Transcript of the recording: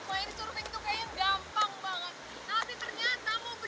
aduh kalau melihat orang main surfing itu kayaknya gampang banget